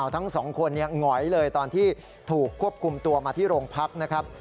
ทั้งสองคนหงอยเลยตอนที่ถูกควบคุมตัวมาที่โรงพักนะครับ